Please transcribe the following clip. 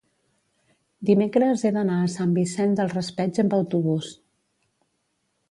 Dimecres he d'anar a Sant Vicent del Raspeig amb autobús.